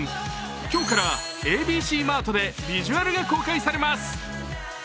今日からＡＢＣマートでビジュアルが公開されます。